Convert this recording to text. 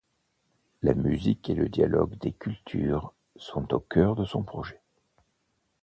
La musique et le dialogue des cultures sont au cœur de son projet.